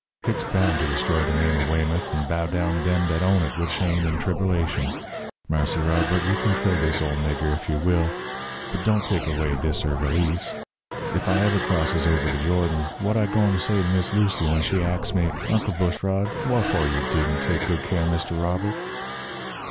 Hit's bound to destroy de name of Weymouth and bow down dem dat own it wid shame and triberlation. Marse Robert, you can kill dis ole nigger ef you will, but don't take away dis 'er' valise. If I ever crosses over de Jordan, what I gwine to say to Miss Lucy when she ax me: 'Uncle Bushrod, wharfo' didn' you take good care of Mr. Robert?'"